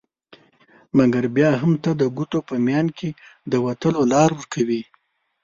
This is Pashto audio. مګر بیا هم ته د ګوتو په میان کي د وتلو لار ورکوي